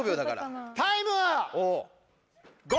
タイムは。